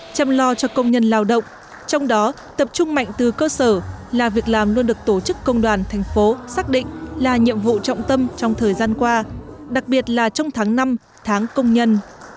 chăm lo cho công nhân lao động trong đó tập trung mạnh từ cơ sở là việc làm luôn được tổ chức công đoàn thành phố xác định là nhiệm vụ trọng tâm trong thời gian qua đặc biệt là trong tháng năm tháng công nhân